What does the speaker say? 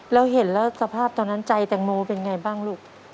แล้วเห็นแล้วสภาพตอนนั้นใจแตงโมเป็นไงบ้างลูก